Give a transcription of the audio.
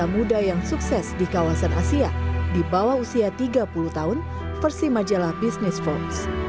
muda yang sukses di kawasan asia di bawah usia tiga puluh tahun versi majalah business forbes